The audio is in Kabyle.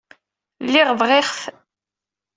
Lliɣ bɣiɣ-t.